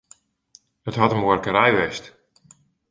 It hat in buorkerij west.